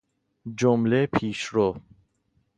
جمله پیشرو